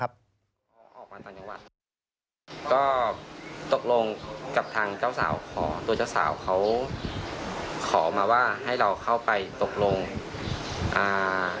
ก็ตกลงกับทางเจ้าสาวขอตัวเจ้าสาวเขาขอมาว่าให้เราเข้าไปตกลงอ่า